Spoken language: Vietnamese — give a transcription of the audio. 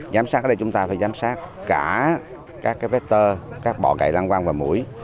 giám sát ở đây chúng ta phải giám sát cả các vector các bọ gậy lan quang và mũi